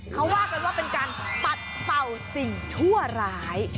เขาว่ากันว่าเป็นการปัดเป่าสิ่งชั่วร้าย